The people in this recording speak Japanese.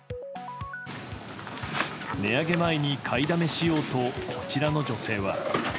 値上げ前に買いだめしようとこちらの女性は。